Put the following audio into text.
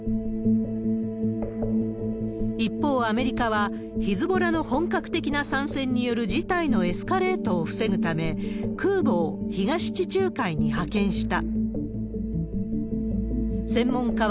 一方、アメリカはヒズボラの本格的な参戦による事態のエスカレートを防ぐため、空母を東地中海に派遣した。